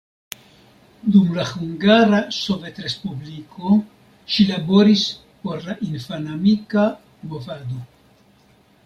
Dum la Hungara Sovetrespubliko ŝi laboris por la infanamika movado.